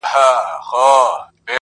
دې راوړي دې تر گور باڼه,